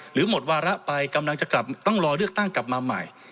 หรือหมดวาระไปกำลังจะกลับต้องรอเลือกตั้งกลับมาใหม่